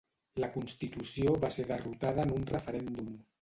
La constitució va ser derrotada en un referèndum.